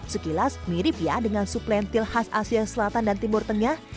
sekilas mirip ya dengan sup lentil khas asia selatan dan timur tengah